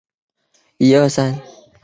该地区的主要城镇是欧拜伊德。